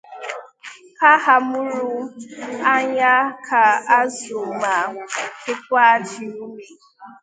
ka ha mụrụ anya ka azụ ma kekwa ajị n'ume